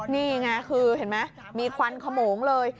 นี่ไงคือเห็นไหมมีควันขโมงเลย